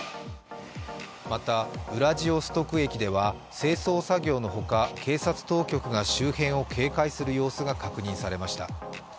またウラジオストク駅では清掃作業のほか警察当局が周辺を警戒する様子が確認されました。